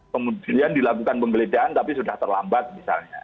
kemudian dilakukan penggeledahan tapi sudah terlambat misalnya